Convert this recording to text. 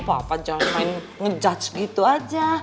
papa jangan main ngejudge gitu aja